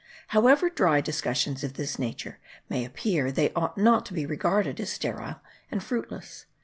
However dry discussions of this nature may appear, they ought not to be regarded as sterile and fruitless.